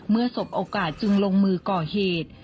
สบโอกาสจึงลงมือก่อเหตุ